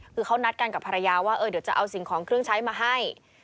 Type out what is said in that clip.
คือเขานัดกันกับภรรยาว่าเดี๋ยวจะเอาสิ่งของเครื่องใช้มาให้